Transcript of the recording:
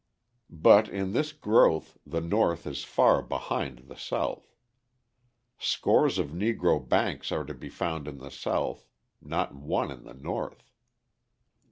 But in this growth the North is far behind the South. Scores of Negro banks are to be found in the South, not one in the North.